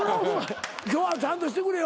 今日はちゃんとしてくれよ。